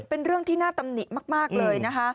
เป็นเรื่องที่น่าตำหนิมากเลยนะคะ